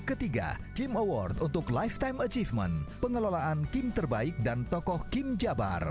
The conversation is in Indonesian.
ketiga kim award untuk lifetime achievement pengelolaan kim terbaik dan tokoh kim jabar